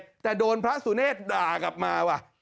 โยมเตือนพระสุเนธด่ากลับมาว่ะ